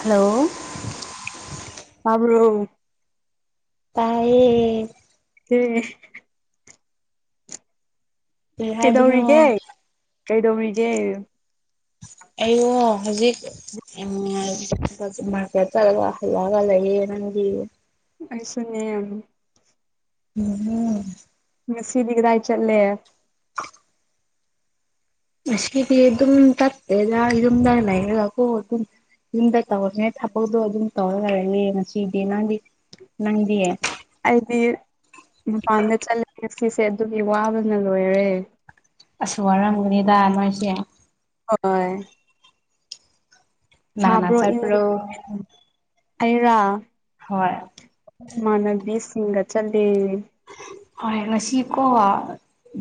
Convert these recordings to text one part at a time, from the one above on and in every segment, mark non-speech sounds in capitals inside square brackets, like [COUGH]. hello ꯇꯥꯕ꯭ꯔꯣ ꯇꯥꯏꯌꯦ ꯇ‌ꯦ ꯀꯔꯤ ꯍꯥꯏꯕꯅꯣ ꯀꯩꯗꯧꯔꯤꯒꯦ ꯀꯩꯗꯧꯔꯤꯒꯦꯌꯨ ꯑꯩꯋ‌ꯣ ꯍꯧꯖꯤꯛ [UNINTELLIGIBLE] ꯆꯠꯂꯒ ꯍꯜꯂꯛꯑꯒ ꯂꯩꯌꯦ ꯅꯪꯗꯤ ꯑꯩꯁꯨꯅꯦ ꯎꯝ ꯍꯨꯝ ꯉꯁꯤꯗꯤ ꯀꯗꯥꯏ ꯆꯠꯂꯦ ꯉꯁꯤꯗꯤ ꯑꯗꯨꯝ ꯆꯠꯇꯦꯗ ꯌꯨꯝꯗ ꯂꯩꯔꯒꯀꯣ ꯑꯗꯨꯝ ꯌꯨꯝꯗ ꯇꯧꯔꯒꯦ ꯊꯕꯛꯗꯣ ꯑꯗꯨꯝ ꯇꯧꯔ ꯂꯩꯔꯦ ꯉꯁꯤꯗꯤ ꯅꯪꯗꯤ ꯅꯪꯗꯤ ꯑꯩꯗꯤ ꯃꯄꯥꯟꯗ ꯆꯠꯂ‌ꯦ ꯉꯁꯤꯁꯦ ꯑꯗꯨꯒꯤ ꯋꯥꯕꯅ ꯂꯣꯏꯔꯦ ꯑꯁꯨ ꯋꯥꯔꯝꯒꯅꯤꯗꯥ ꯅꯣꯏꯁꯦ ꯍꯣꯏ ꯀꯅꯥ ꯀꯅꯥ ꯁꯥꯕ꯭ꯔꯣ ꯏꯪ ꯆꯠꯄ꯭ꯔꯣ ꯑꯩꯔꯥ ꯍꯣꯏ ꯏꯃꯥꯟꯅꯕꯤꯁꯤꯡꯒ ꯆꯠꯂꯦ ꯍꯣꯏ ꯉꯁꯤꯀꯣ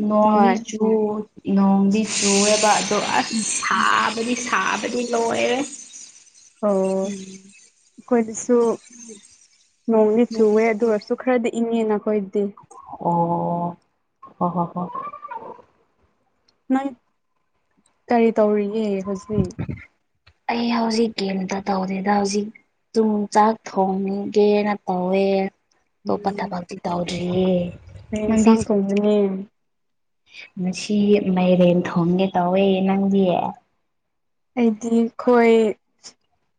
ꯅꯣꯡꯗꯤ ꯍꯣꯏ ꯆꯨ ꯑꯣ ꯅꯣꯡꯗꯤ ꯆꯨꯋ‌ꯦꯕ ꯑꯗꯣ ꯑꯁ ꯁꯥꯕꯗꯤ ꯁꯥꯥꯕꯗꯤ ꯂꯣꯏꯔꯦ [INAUDIBLE] ꯑꯣ ꯑꯈꯣꯏꯗꯁꯨ ꯅꯣꯡꯗꯤ ꯆꯨꯋꯦ ꯑꯗꯨ ꯑꯣꯏ ꯆꯨꯈ꯭ꯔꯗꯤ ꯏꯪꯉꯦꯅ ꯑꯩꯈꯣꯏꯗꯤ ꯑꯣ ꯍꯣ ꯍꯣ ꯍ‌ꯣ ꯅꯪ ꯀꯔꯤ ꯇꯧꯔꯤꯒꯦ ꯍꯧꯖꯤꯛ ꯑꯩ ꯍꯧꯖꯤꯛ ꯀꯦꯝꯇ ꯇꯧꯗꯦꯗ ꯍꯧꯖꯤꯛ ꯇꯨꯝ ꯆꯥꯛ ꯊꯣꯡꯒꯦꯅ ꯇꯧꯋꯦ ꯑꯇꯣꯞꯄ ꯎꯝ ꯊꯕꯛꯇꯤ ꯇꯧꯗ꯭ꯔꯤꯌꯦ ꯀꯩ ꯅꯪꯗꯤ ꯏꯟꯁꯥꯡ ꯊꯣꯡꯒꯅꯤ ꯉꯁꯤ ꯃꯥꯏꯔꯦꯟ ꯊꯣꯡꯒꯦ ꯇꯧꯋꯦ ꯅꯪꯗꯤ ꯑꯩꯗꯤ ꯈꯣꯏ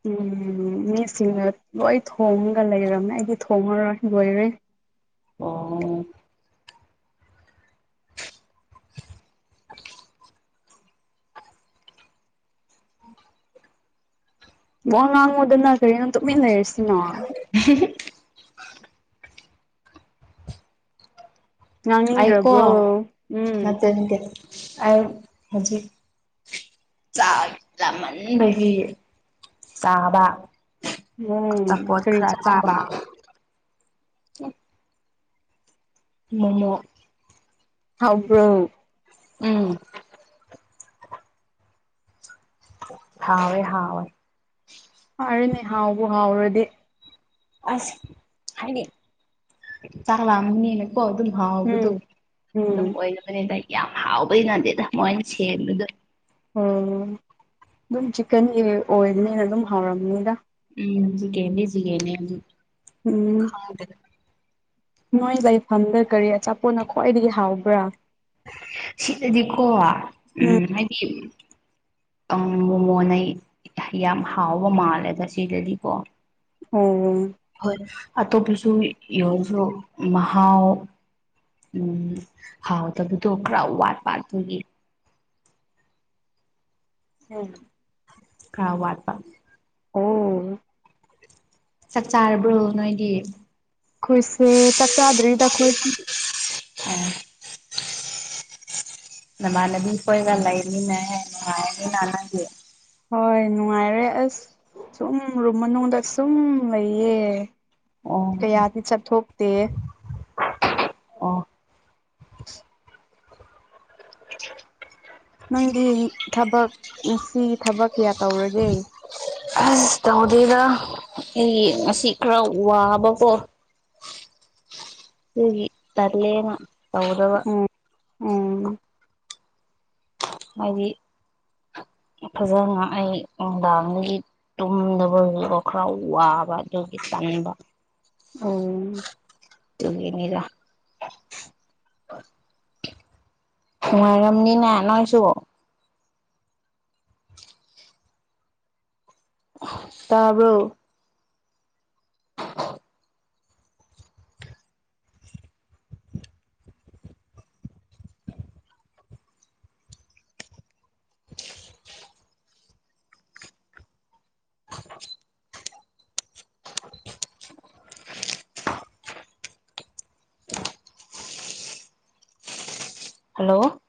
ꯎꯝ ꯃꯤꯁꯤꯡꯅ ꯂꯣꯏ ꯊꯣꯡꯉꯒ ꯂꯩꯔꯝꯃꯦ ꯑꯩꯗꯤ ꯊꯣꯡꯉꯔꯣꯏ ꯂꯣꯏꯔꯦ ꯑꯣ ꯋꯥ ꯉꯥꯡꯉꯨꯗꯅ ꯀꯔꯤꯅꯣ ꯇꯨꯃꯤꯟ ꯂꯩꯔꯤꯁꯤꯅꯣ [UNINTELLIGIBLE] ꯑꯩꯀꯣ ꯉꯥꯡꯅꯤꯡꯗ꯭ꯔꯕ꯭ꯔꯣ ꯎꯝ [UNINTELLIGIBLE] ꯑꯩ ꯍꯧꯖꯤꯛ ꯆꯥꯛ ꯆꯥꯃꯟꯕꯒꯤ ꯆꯥꯕ ꯎꯝ ꯑꯆꯥꯄꯣꯠ ꯀꯔꯤ ꯈꯔ ꯆꯥꯕ ꯃꯣꯃꯣ ꯍꯥꯎꯕ꯭ꯔꯣ ꯎꯝ ꯍꯥꯎꯋꯦ ꯍꯥꯎꯋꯦ ꯐꯔꯦꯅꯦ ꯍꯥꯎꯕꯨ ꯍꯥꯎꯔꯗꯤ ꯑꯁ ꯍꯥꯏꯗꯤ ꯆꯥꯛ ꯂꯥꯝꯃꯅꯤꯅ ꯀꯣ ꯑꯗꯨꯝ ꯍꯥꯎꯕꯗꯨ ꯎꯝ ꯎꯝ ꯑꯗꯨꯝ ꯑꯣꯏꯅ ꯕꯅꯤꯗ ꯌꯥꯝ ꯍꯥꯎꯕꯩ ꯅꯠꯇꯦꯗ ꯃꯣꯏꯅ ꯁꯦꯝꯕꯗꯨ ꯑꯣ ꯗꯨꯝ ꯆꯤꯛꯀꯟꯒꯤ ꯑꯣꯏꯕꯅꯤꯅ ꯑꯗꯨꯝ ꯍꯥꯎꯔꯝꯅꯤꯗ [UNINTELLIGIBLE] ꯎꯝ [UNINTELLIGIBLE] ꯅꯣꯏ ꯂꯩꯐꯝꯗ ꯀꯔꯤ ꯑꯆꯥꯄꯣꯠꯅ ꯈ꯭ꯋꯥꯏꯗꯒꯤ ꯍꯥꯎꯕ꯭ꯔꯥ ꯁꯤꯗꯗꯤꯀꯣ ꯎꯝ ꯍꯥꯏꯗꯤ ꯎꯝ ꯃꯣꯃꯣꯅ ꯌꯥꯝ ꯍꯥꯎꯕ ꯃꯥꯜꯂꯦꯗ ꯁꯤꯗꯗꯤꯀꯣ ꯑꯣ ꯍꯣꯏ ꯑꯇꯣꯞꯄꯁꯨ ꯌꯥꯎꯔꫭ ꯃꯍꯥꯎ ꯎꯝ ꯍꯥꯎꯇꯕꯇꯣ ꯈꯔ ꯋꯥꯠ ꯄꯥꯠꯄꯒꯤ ꯎꯝ ꯈꯔ ꯋꯥꯠꯄ ꯑꯣ ꯆꯥꯛ ꯆꯥꯔꯕ꯭ꯔꯣ ꯅꯣꯏꯗꯤ ꯈꯣꯏꯁꯦ ꯆꯥꯛ ꯆꯥꯗ꯭ꯔꯤꯗ ꯈꯣꯏ ꯑꯣ ꯅꯃꯥꯟꯅꯕꯤ ꯈꯣꯏꯒ ꯂꯩꯕꯃꯤꯅ ꯍꯦ ꯅꯨꯡꯉꯥꯏꯅꯤꯅ ꯅꯪꯗꯤ ꯍꯣꯏ ꯅꯨꯡꯉꯥꯏꯔꯦ ꯑꯁ ꯁꯨꯝ ꯔꯨꯝ ꯃꯅꯨꯡꯗ ꯁꯨꯝ ꯂꯩꯌꯦ ꯑꯣ ꯀꯌꯥꯗꯤ ꯆꯠꯊꯣꯛꯇꯦ ꯑꯣ ꯅꯪꯗꯤ ꯊꯕꯛ ꯉꯁꯤꯒꯤ ꯊꯕꯛ ꯀꯌꯥ ꯇꯧꯔꯒꯦ ꯑꯁ ꯇꯧꯗꯦꯗ ꯑꯩ ꯉꯁꯤ ꯈꯔ ꯋꯥꯕꯀꯣ ꯇꯨꯒꯤ ꯇꯜꯂꯦꯅ ꯇꯧꯗꯕ ꯎꯝ ꯎꯝ ꯍꯥꯏꯗꯤ ꯐꯖꯅ ꯑꯩ ꯅꯨꯡꯗꯥꯡꯗꯒꯤ ꯇꯨꯝꯗꯕꯒꯤ ꯀꯣ ꯈꯔ ꯋꯥꯕ ꯑꯗꯨꯒꯤ ꯇꯟꯕ ꯎꯝ ꯇꯨꯝꯅꯤꯡꯉꯤꯔ ꯋꯥꯔꯝꯅꯤꯅ ꯅꯣꯏꯁꯨ ꯇꯥꯕ꯭ꯔꯣ ꯍꯜꯂꯣ